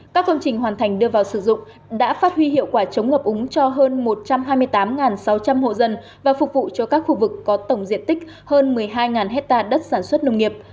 các công trình hoàn thành đưa vào sử dụng đã phát huy hiệu quả chống ngập úng cho hơn một trăm hai mươi tám sáu trăm linh hộ dân và phục vụ cho các khu vực có tổng diện tích hơn một mươi hai hectare đất sản xuất nông nghiệp